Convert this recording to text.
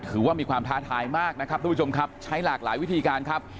ถือว่ามีความท้าทายมากนะครับทุกผู้ชมครับใช้หลากหลายวิธีการครับ